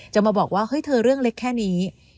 จะมาบอกว่าเฮ้ยเธอเรื่องเล็กแค่นี้